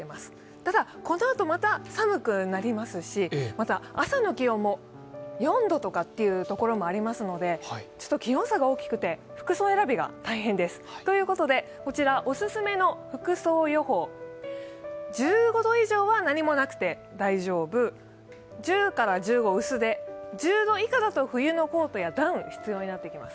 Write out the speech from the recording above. ただこのあとまた寒くなりますし、朝の気温も４度という所もありますので、ちょっと気温差が大きくて服装選びが大変です。ということで、オススメの服装予報１５度以上は何もなくて大丈夫、１０から１５は薄手、１０度以下だと冬のコートやダウンが必要になってきます。